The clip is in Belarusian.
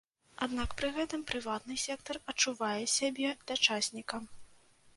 Аднак пры гэтым прыватны сектар адчувае сябе дачаснікам.